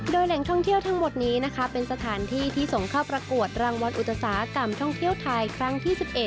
โดยแหล่งท่องเที่ยวทั้งหมดนี้นะคะเป็นสถานที่ที่ส่งเข้าประกวดรางวัลอุตสาหกรรมท่องเที่ยวไทยครั้งที่๑๑